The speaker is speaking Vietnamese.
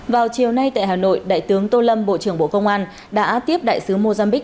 vào chiều nay tại hà nội đại tướng tô lâm bộ trưởng bộ công an đã tiếp đại sứ mozambiq